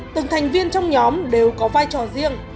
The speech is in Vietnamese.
từng thành viên trong nhóm đều có vai trò riêng